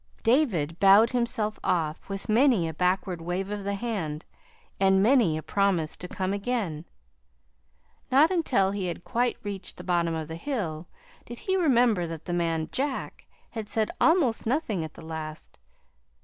David bowed himself off, with many a backward wave of the hand, and many a promise to come again. Not until he had quite reached the bottom of the hill did he remember that the man, "Jack," had said almost nothing at the last.